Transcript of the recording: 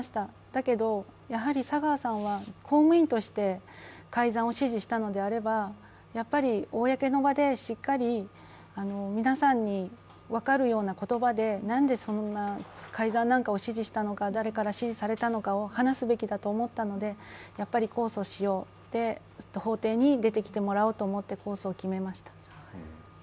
だけど、やはり佐川さんは公務員として改ざん指示したのであれば、やっぱり公の場でしっかり皆さんに分かるような言葉で何でそんな改ざんなんかを指示したのか、誰から指示されたのかを話すべきだと思ったのでやっぱり控訴しようと、法廷に出てきてもらおうと思って控訴を決めました。